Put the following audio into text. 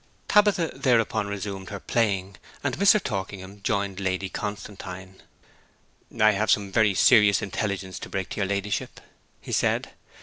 Tabitha thereupon resumed her playing, and Mr. Torkingham joined Lady Constantine. 'I have some very serious intelligence to break to your ladyship,' he said.